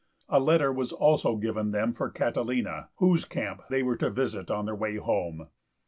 A letter was also given them for Catilina, whose camp they were to visit on their way home.